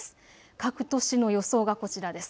各都市の予想がこちらです。